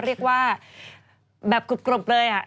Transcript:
เรียกว่าแบบกรุบเลย